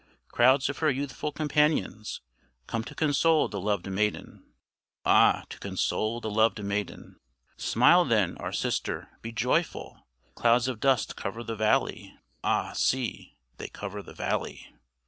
Crowds of her youthful companions Come to console the loved maiden; Ah! to console the loved maiden. "Smile then, our sister, be joyful; Clouds of dust cover the valley; Ah! see, they cover the valley.